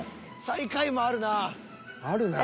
［最下位もあるな］